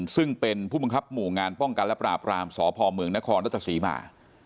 ซึ่งเป็นผู้บังคับหมู่งานป้องกันและปราบรามสพเมืองนครรัชศรีมา